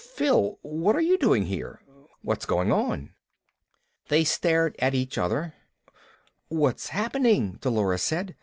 "Phil! What are you doing here? What's going on?" They stared at each other. "What's happening?" Dolores said.